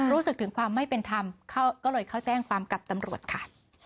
รู้สึกถึงความไม่เป็นธรรมก็เลยเข้าแจ้งความกับตำรวจค่ะ